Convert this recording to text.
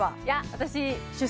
私